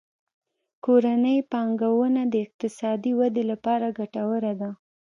کورنۍ پانګونه د اقتصادي ودې لپاره ګټوره ده.